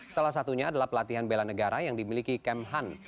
salah satunya adalah pelatihan bela negara yang dimiliki kemhan